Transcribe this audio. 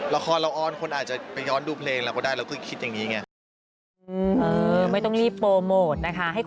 ละครเราอ้อนคนอาจจะไปย้อนดูเพลงเราก็ได้